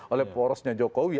oleh porosnya jokowi